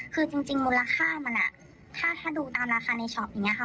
คือจริงมูลค่ามันถ้าดูตามราคาในช็อปอย่างนี้ค่ะ